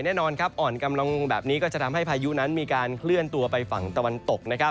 แน่นอนครับอ่อนกำลังแบบนี้ก็จะทำให้พายุนั้นมีการเคลื่อนตัวไปฝั่งตะวันตก